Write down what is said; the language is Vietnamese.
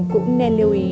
cũng nên lưu ý